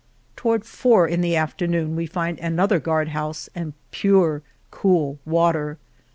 Toward four in the afternoon we find an other guard house and pure cool water.